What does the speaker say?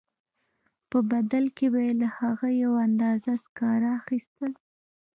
په بدل کې به یې له هغه یوه اندازه سکاره اخیستل